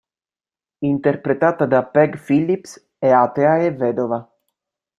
Interpretata da Peg Phillips, è atea e vedova.